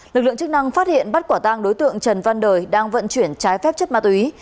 lực lượng chức năng phát hiện bắt quả tang đối tượng trần văn đời đang vận chuyển trái phép chất ma túy